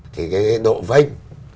thì cái độ vinh